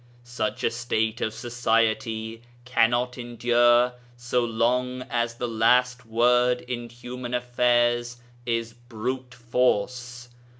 Such a state of society cannot endure so long as the last word in human affairs is brute force.